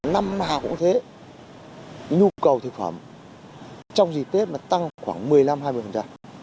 năm nào cũng thế nhu cầu thực phẩm trong dịp tết tăng khoảng một mươi năm